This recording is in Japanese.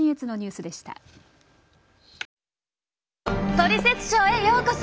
「トリセツショー」へようこそ！